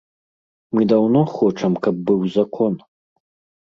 Мы даўно хочам, каб быў закон.